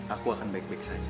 aku akan baik baik saja